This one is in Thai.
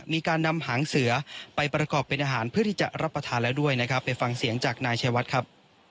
มีการนำหางเสือไปประกอบเป็นอาหารเพื่อที่จะรับประทานแล้วด้วยนะครับไปฟังเสียงจากนายชายวัดครับ